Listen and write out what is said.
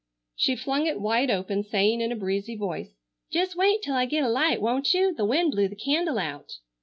She flung it wide open, saying in a breezy voice, "Just wait till I get a light, won't you, the wind blew the candle out."